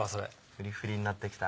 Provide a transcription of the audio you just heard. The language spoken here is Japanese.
フリフリになってきた。